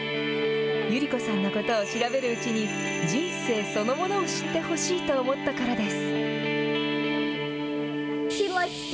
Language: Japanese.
百合子さんのことを調べるうちに人生そのものを知ってほしいと思ったからです。